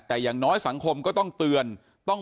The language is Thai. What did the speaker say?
แต่อย่างน้อยสังคมก็ต้องเตือน